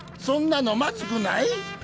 そんなのまずくない？